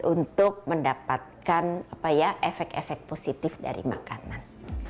untuk mendapatkan efek efek positif dari makanan